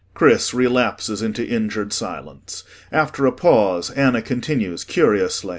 [CHRIS relapses into injured silence. After a pause ANNA continues curiously.